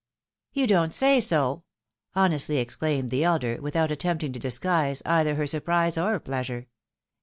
" You don't say so !" honestly exclaimed the elder, without attempting to disguise cither her surprise or pleasure.